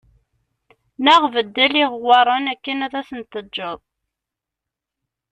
Neɣ beddel iɣewwaṛen akken ad ten-teǧǧeḍ